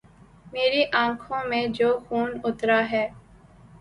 میری آنکھوں میں جو خون اترا ہے